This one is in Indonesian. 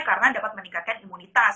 karena dapat meningkatkan imunitas